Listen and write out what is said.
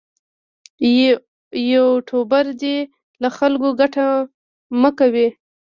یوټوبر دې له خلکو ګټه مه کوي.